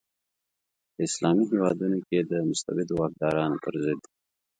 په اسلامي هیوادونو کې د مستبدو واکدارانو پر ضد.